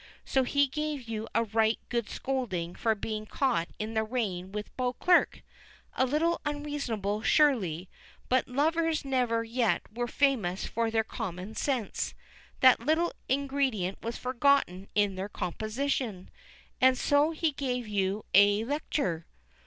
So he gave you a right good scolding for being caught in the rain with Beauclerk. A little unreasonable, surely; but lovers never yet were famous for their common sense. That little ingredient was forgotten in their composition. And so he gave you a lecture?"